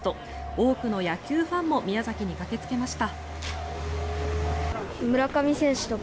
多くの野球ファンも宮崎に駆けつけました。